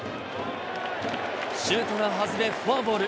シュートが外れ、フォアボール。